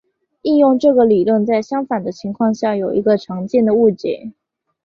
应用这个理论在相反的情况下有一个常见的误解。